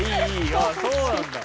あそうなんだ。